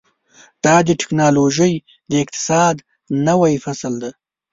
دا د ټیکنالوژۍ د اقتصاد نوی فصل دی.